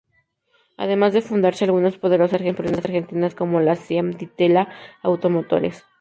Además de fundarse algunas poderosas empresas argentinas, como la Siam Di Tella Automotores.